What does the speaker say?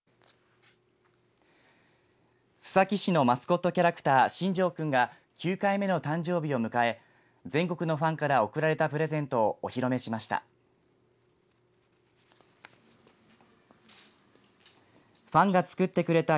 須崎市のマスコットキャラクターしんじょう君が９回目の誕生日を迎え全国のファンから送られたプレゼントをお披露目しました。